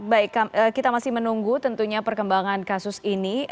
baik kita masih menunggu tentunya perkembangan kasus ini